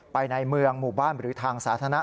ในเมืองหมู่บ้านหรือทางสาธารณะ